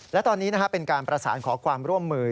และตอนนี้เป็นการประสานขอความร่วมมือ